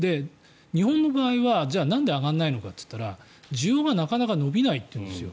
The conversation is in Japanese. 日本の場合は、じゃあなんで上がらないのかといったら需要がなかなか伸びないというんですね。